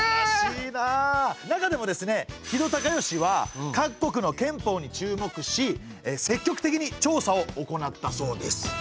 中でもですね木戸孝允は各国の憲法に注目し積極的に調査を行ったそうです。